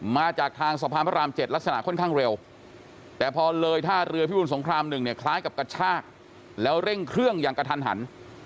มาจากทางสะพานพระราม๗ลักษณะค่อนข้างเร็วแต่พอเลยท่าเรือพิบูรสงคราม๑เนี่ยคล้ายกับกระชากแล้วเร่งเครื่องอย่างกระทันหัน